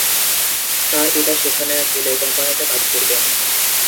তার পিতা সেখানে এক তেলের কোম্পানিতে কাজ করতেন।